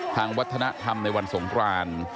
ทางวัฒนธรรมในวันสงคราน